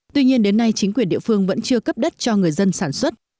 tuy nhiên đến nay chính quyền địa phương vẫn chưa cấp đất cho người dân sản xuất